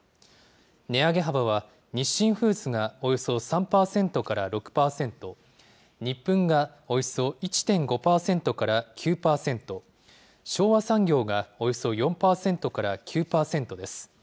値上げ幅は、日清フーズがおよそ３％から６％、ニップンがおよそ１．５％から９％、昭和産業がおよそ４％から９％です。